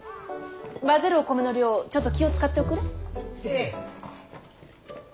混ぜるお米の量ちょっと気を遣っておくれ。